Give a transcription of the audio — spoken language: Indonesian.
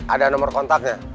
ada nomor kontaknya